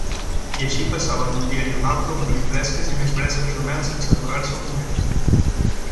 I així passaven un dia i un altre omplint bresques i més bresques de mel sense aturar-se un moment.